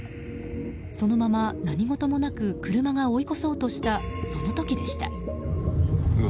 そのまま何事もなく車が追い越そうとしたその時でした。